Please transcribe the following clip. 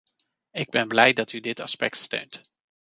Ik ben blij dat u dit aspect steunt.